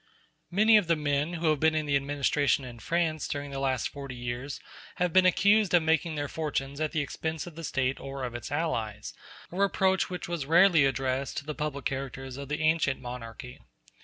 Many of the men who have been in the administration in France during the last forty years have been accused of making their fortunes at the expense of the State or of its allies; a reproach which was rarely addressed to the public characters of the ancient monarchy.